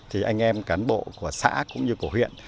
thì anh em cán bộ của xã cũng như của huyện